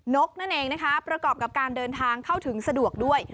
นกนั่นเองนะคะประกอบกับการเดินทางเข้าถึงสะดวกด้วย